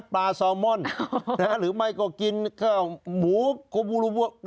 ปลาซอมอนหรือไม่ก็กินข้าวหมูโคบูลูบู